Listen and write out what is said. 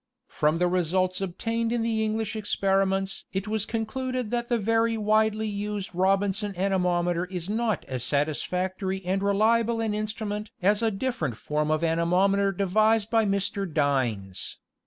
From results obtained in the English experiments it was concluded that the very widely used Robinson anemometer is not as satisfactory and reliable an instrument as a different form of anemometer devised by Mr. Dines.